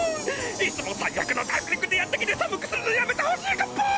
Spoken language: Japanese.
いつも最悪のタイミングでやってきて寒くするのやめてほしいカッポーン！